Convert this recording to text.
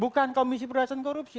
bukan komisi perhiasan korupsi